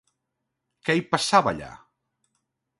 Què hi passava allà?